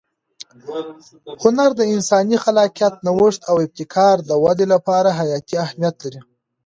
هنر د انساني خلاقیت، نوښت او ابتکار د وده لپاره حیاتي اهمیت لري.